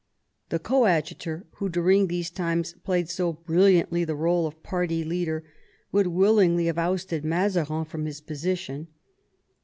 The coadjutor, who during these times played so brilliantly the rdle of party leader, would willingly have ousted Mazarin from his position.